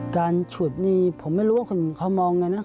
การฉุดนี่ผมไม่รู้ว่าคนเขามองอย่างไรนะ